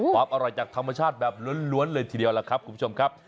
ความอร่อยจากธรรมชาติแบบล้วนเลยทีเดียวล่ะครับคุณผู้ชมครับ